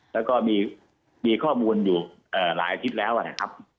แล้วก็มีข้อมูลอยู่หลายอาทิตย์แล้วนะครับ